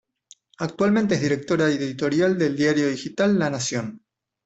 Actualmente es Directora Editorial del diario digital La Nación.